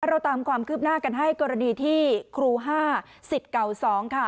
เราตามความคืบหน้ากันให้กรณีที่ครู๕สิทธิ์เก่า๒ค่ะ